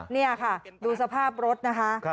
นี่ค่ะดูสภาพรถนะคะ